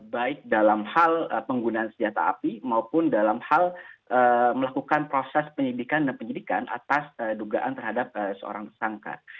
baik dalam hal penggunaan senjata api maupun dalam hal melakukan proses penyidikan dan penyidikan atas dugaan terhadap seorang tersangka